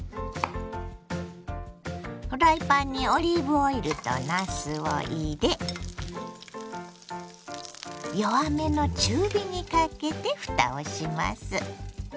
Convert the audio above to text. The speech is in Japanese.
フライパンにオリーブオイルとなすを入れ弱めの中火にかけてふたをします。